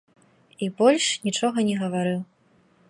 І больш нічога не гаварыў.